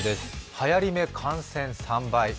はやり目感染３倍。